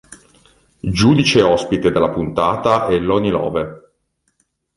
Giudice ospite della puntata è Loni Love.